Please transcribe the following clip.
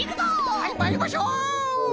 はいまいりましょう！